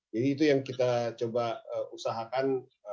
jadi itu yang kita coba usahakan